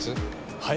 はい？